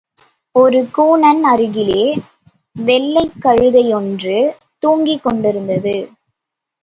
ஒரு கூனன் அருகிலே வெள்ளைக் கழுதையொன்று தூங்கிக் கொண்டிருந்தது.